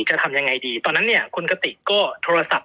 จะทำยังไงดีตอนนั้นเนี่ยคุณกติกก็โทรศัพท์